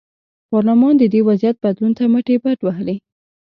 پارلمان د دې وضعیت بدلون ته مټې بډ وهلې.